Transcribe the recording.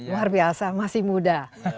luar biasa masih muda